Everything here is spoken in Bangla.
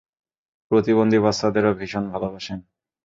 প্রতিবন্ধী বাচ্চাদেরও ভীষণ ভালোবাসেন!